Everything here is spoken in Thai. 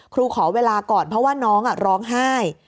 ขอเวลาก่อนเพราะว่าน้องร้องไห้